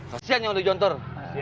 kasian yang lu jontor